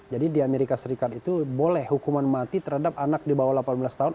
jadi di amerika serikat itu boleh hukuman mati terhadap anak di bawah delapan belas tahun